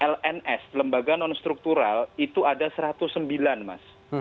lns lembaga non struktural itu ada satu ratus sembilan mas